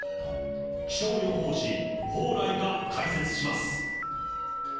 気象予報士、蓬莱が解説します。